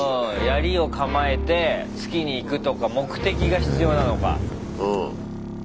やりを構えて突きにいくとか目的が必要なのか。